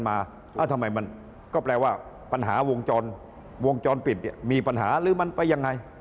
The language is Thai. ถ้าถ่ายคลิปกันมาก็แปลว่าปัญหาวงจรวงจรปิดมีปัญหาหรือมันไปยังไง